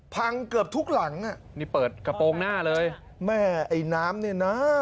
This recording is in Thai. พังเกือบทุกหลังอ่ะนี่เปิดกระโปรงหน้าเลยแม่ไอ้น้ำเนี่ยนะ